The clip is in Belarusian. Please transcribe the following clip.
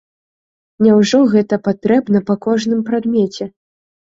Няўжо гэта патрэбна па кожным прадмеце?